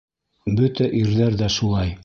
Бөтә ирҙәр ҙә шулай.